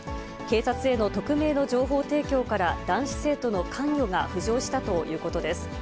警察への匿名の情報提供から、男子生徒の関与が浮上したということです。